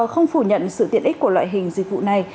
không phủ nhận sự tiện ích của loại hình dịch vụ này